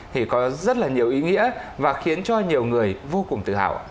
thì có rất là nhiều ý nghĩa và khiến cho nhiều người vô cùng tự hào